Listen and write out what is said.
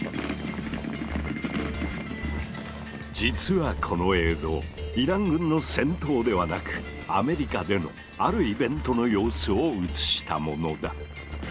実はこの映像イラン軍の戦闘ではなくアメリカでのあるイベントの様子を映したものだ。